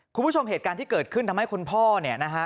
คุณผู้ชมเหตุการณ์ที่เกิดขึ้นทำให้คุณพ่อเนี่ยนะฮะ